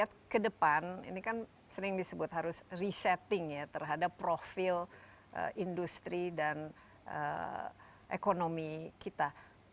jadi ke depan ini kan sering disebut harus resetting ya terhadap profil industri dan ekonomi kita